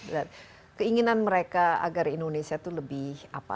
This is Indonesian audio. dan keinginan mereka agar indonesia itu lebih apa